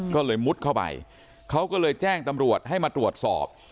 ก็เลยมุดเข้าไปเขาก็เลยแจ้งตำรวจให้มาตรวจสอบ